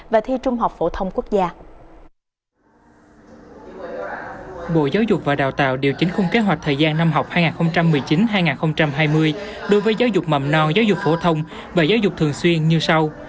bộ giáo dục và đào tạo điều chỉnh khung kế hoạch thời gian năm học hai nghìn một mươi chín hai nghìn hai mươi đối với giáo dục mầm non giáo dục phổ thông và giáo dục thường xuyên như sau